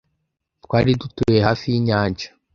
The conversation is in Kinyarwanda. Twari dutuye hafi y'inyanja.